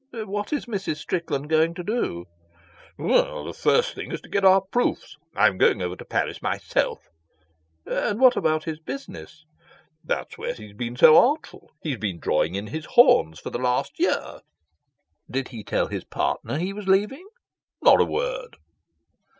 "What is Mrs. Strickland going to do?" "Well, the first thing is to get our proofs. I'm going over to Paris myself." "And what about his business?" "That's where he's been so artful. He's been drawing in his horns for the last year." "Did he tell his partner he was leaving?" "Not a word."